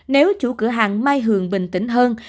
nếu chủ cửa hàng mai hường bình tĩnh hơn